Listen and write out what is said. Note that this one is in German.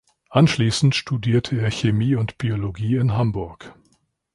Anschließend studierte er Chemie und Biologie in Hamburg.